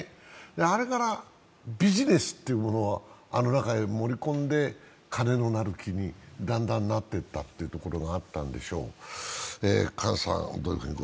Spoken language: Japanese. あれからビジネスというものをあの中へ盛り込んで金のなる木にだんだんなっていったというところがあるんでしょう。